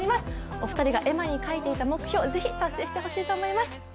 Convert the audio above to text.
お二人が絵馬に書いていた目標、是非達成してもらいたいと思います。